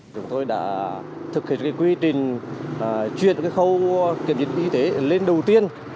chúng tôi đã thực hiện quy trình chuyển khâu kiểm dịch y tế lên đầu tiên